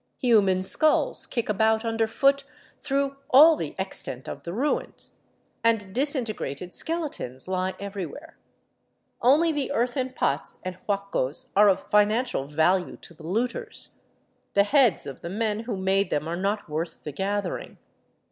Human skulls kick about underfoot through all the extent of the ruins, and disintegrated skeletons lie everywhere. Only the earthen pots and huacos are of financial value to the looters ; the heads of the men who made them are not worth the gathering.